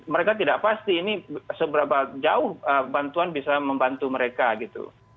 mereka tidak pasti ini seberapa jauh bantuan bisa membantu mereka gitu